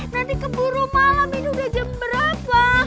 nanti keburu malam ini udah jam berapa